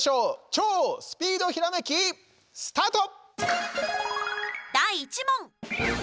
「超スピードひらめき」スタート！